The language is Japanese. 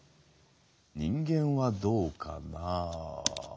人間はどうかな？